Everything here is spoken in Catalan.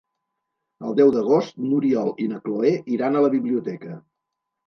El deu d'agost n'Oriol i na Cloè iran a la biblioteca.